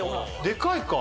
でかいか。